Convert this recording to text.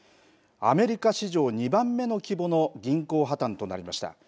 アメリカ史上２番目の規模の銀行破綻となりました。